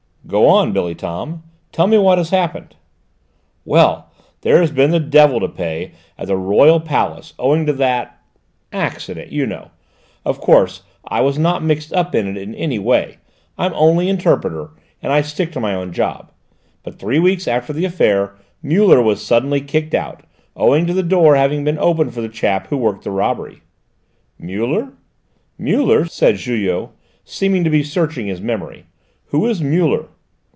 "Go on, Billy Tom," he said in low tones. "Tell me what has happened." "Well, there has been the devil to pay at the Royal Palace, owing to that accident, you know; of course I was not mixed up in it in any way: I'm only interpreter, and I stick to my own job. But three weeks after the affair, Muller was suddenly kicked out, owing to the door having been opened for the chap who worked the robbery." "Muller, Muller?" said Julot, seeming to be searching his memory. "Who is Muller?"